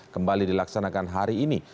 kembali dilaksanakan hari ini